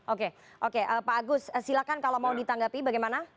oke oke pak agus silakan kalau mau ditanggapi bagaimana